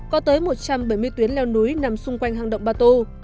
có tới một trăm bảy mươi tuyến leo núi nằm xung quanh hang động batu